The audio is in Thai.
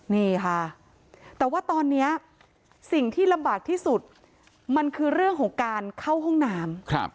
นี่ค่ะแต่ว่าตอนนี้สิ่งที่ลำบากที่สุดมันคือเรื่องของการเข้าห้องน้ำ